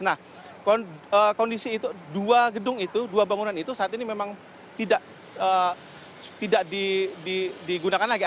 nah kondisi itu dua gedung itu dua bangunan itu saat ini memang tidak digunakan lagi